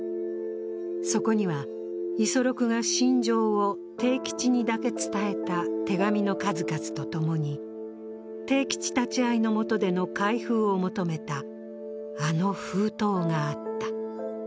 そこには五十六が心情を悌吉にだけ伝えた手紙の数々とともに、悌吉立ち会いの下での開封を求めたあの封筒があった。